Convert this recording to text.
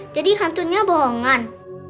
jadi hantunya bohongan